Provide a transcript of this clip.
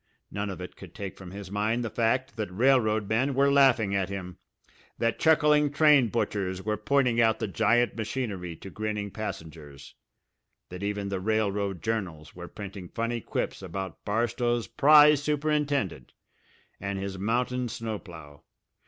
None of it could take from his mind the fact that railroad men were laughing at him, that chuckling train butchers were pointing out the giant machinery to grinning passengers, that even the railroad journals were printing funny quips about Barstow's prize superintendent and his mountain snow plough.